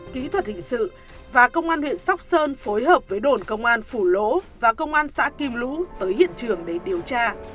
kỹ thuật hình sự và công an huyện sóc sơn phối hợp với đồn công an phủ lỗ và công an xã kim lũ tới hiện trường để điều tra